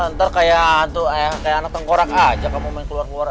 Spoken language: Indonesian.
ntar kayak anak tengkorak aja kamu main keluar keluar